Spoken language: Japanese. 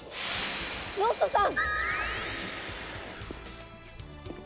ロッソさん！